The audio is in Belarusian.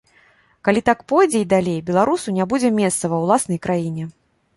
Калі так пойдзе і далей, беларусу не будзе месца ва ўласнай краіне.